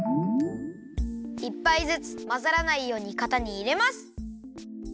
１ぱいずつまざらないようにかたにいれます。